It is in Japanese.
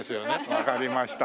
わかりました。